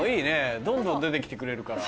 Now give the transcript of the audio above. どんどん出て来てくれるから。